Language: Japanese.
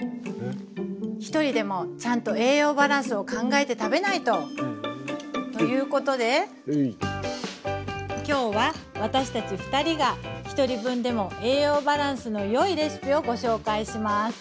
ひとりでもちゃんと栄養バランスを考えて食べないと！ということで今日は私たち２人が１人分でも栄養バランスのよいレシピをご紹介します。